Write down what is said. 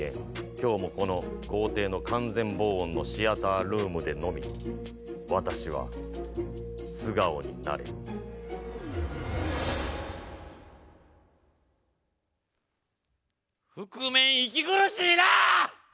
今日もこの豪邸の完全防音のシアタールームでのみ私は素顔になれる覆面息苦しいな！